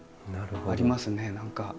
ありますね何か。